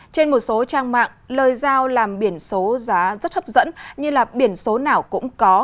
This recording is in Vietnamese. trên một số trang mạng lời giao làm biển số giá rất hấp dẫn như là biển số nào cũng có